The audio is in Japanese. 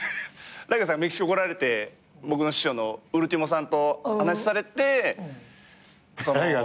ライガーさんメキシコ来られて僕の師匠のウルティモさんと話されて。